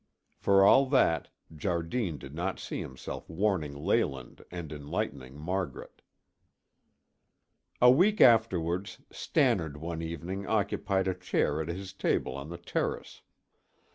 For all that, Jardine did not see himself warning Leyland and enlightening Margaret. A week afterwards, Stannard one evening occupied a chair at his table on the terrace.